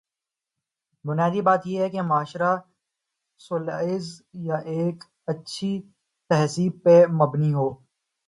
بنیادی بات یہ ہے کہ معاشرہ سولائزڈ یا ایک اچھی تہذیب پہ مبنی ہو۔